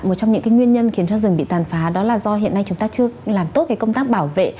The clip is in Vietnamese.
một trong những nguyên nhân khiến cho rừng bị tàn phá đó là do hiện nay chúng ta chưa làm tốt cái công tác bảo vệ